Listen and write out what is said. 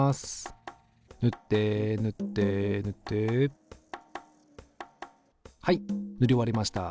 塗って塗って塗ってはい塗り終わりました。